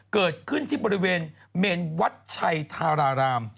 เกิดขึ้นที่บริเวณเมนวัดชัยธาราราม